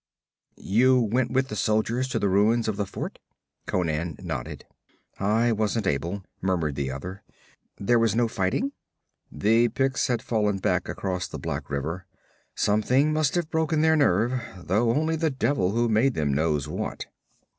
'You went with the soldiers to the ruins of the fort?' Conan nodded. 'I wasn't able,' murmured the other. 'There was no fighting?' 'The Picts had fallen back across the Black River. Something must have broken their nerve, though only the devil who made them knows what.'